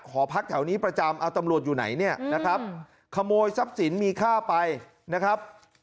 ขอพักแถวนี้ประจำเอาตำรวจอยู่ไหนเนี่ยนะครับขโมยทรัพย์สินมีค่าไปนะครับ